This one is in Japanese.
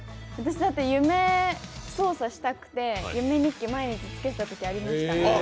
夢、操作したくて夢日記、毎日つけてたときありました。